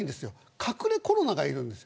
隠れコロナがいるんです。